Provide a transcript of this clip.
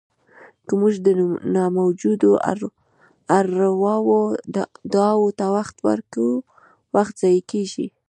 که موږ د نه موجودو ارواوو دعاوو ته وخت ورکړو، وخت ضایع کېږي.